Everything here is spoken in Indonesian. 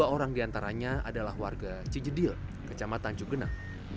tiga puluh dua orang diantaranya adalah warga cijedil kecamatan cigenang